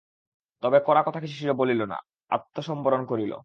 তবে কড়া কথা কিছু সে বলিল না, আত্মসম্বরণ করিল।